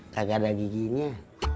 kagak ada giginya